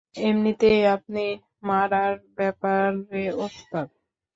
এমনিতেই আপনি মারার ব্যাপারে ওস্তাদ।